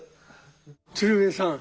鶴瓶さん